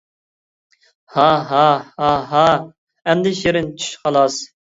ھا ھا ھا ھا. ئەمدى شېرىن چۈش خالاس!